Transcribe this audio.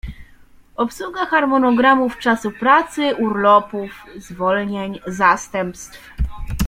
Obsługa harmonogramów czasu pracy, urlopów, zwolnień, zastępstw